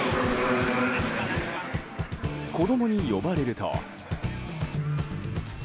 子供に呼ばれると。